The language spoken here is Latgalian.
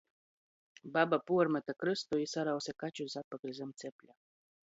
Baba puormete krystu i sarause kačus atpakaļ zam cepļa.